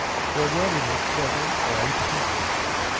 There were in it seven or eight people.